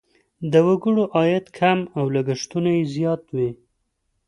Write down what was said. د وګړو عاید کم او لګښتونه یې زیات وي.